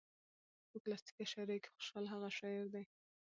په کلاسيکه شاعرۍ کې خوشال هغه شاعر دى